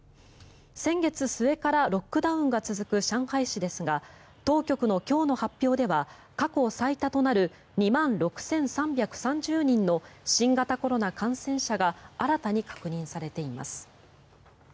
先月末からロックダウンが続く上海市ですが当局の今日の発表では過去最多となる２万６３３０人の新型コロナ感染者が新たに確認されています。